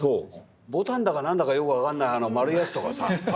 ボタンだか何だかよく分かんないあの丸いやつとかさ。